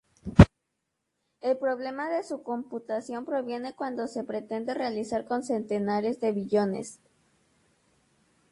El problema de su computación proviene cuando se pretende realizar con centenares de billones.